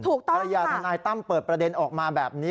ภรรยาทนายตั้มเปิดประเด็นออกมาแบบนี้